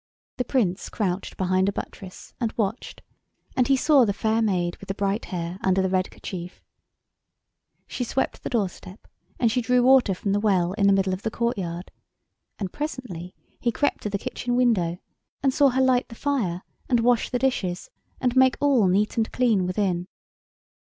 The Prince crouched behind a buttress and watched, and he saw the fair maid with the bright hair under the red kerchief. She swept the doorstep, and she drew water from the well in the middle of the courtyard; and presently he crept to the kitchen window and saw her light the fire and wash the dishes, and make all neat and clean within.